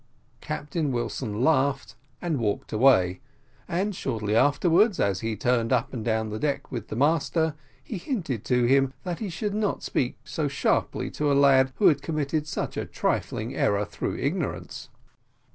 Captain Wilson laughed, and walked away; and shortly afterwards, as he turned up and down the deck with the master, he hinted to him that he should not speak so sharply to a lad who had committed such a trifling error through ignorance.